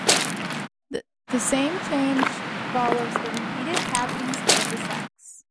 The same change follows the repeated tappings of the sacs.